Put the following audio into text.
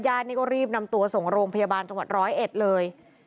นี่ก็รีบนำตัวส่งโรงพยาบาลจังหวัดร้อยเอ็ดเลย